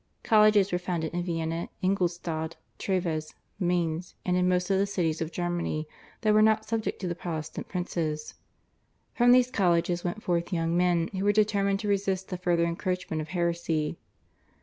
Colleges were founded in Vienna, Ingoldstadt, Treves, Mainz, and in most of the cities of Germany that were not subject to the Protestant princes. From these colleges went forth young men who were determined to resist the further encroachments of heresy.